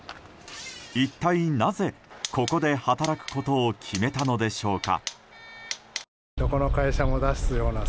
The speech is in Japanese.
一体なぜ、ここで働くことを決めたのでしょうか。